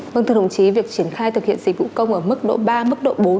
vâng thưa đồng chí việc triển khai thực hiện dịch vụ công ở mức độ ba mức độ bốn